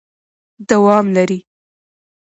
دوام لري ...